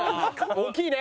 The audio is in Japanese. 大きいね。